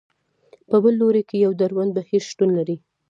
په بل لوري کې یو دروند بهیر شتون لري.